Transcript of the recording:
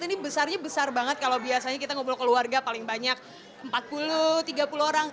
ini besarnya besar banget kalau biasanya kita ngobrol keluarga paling banyak empat puluh tiga puluh orang